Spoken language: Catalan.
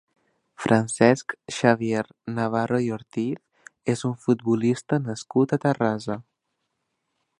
Francesc Xavier Navarro i Ortiz és un futbolista nascut a Terrassa.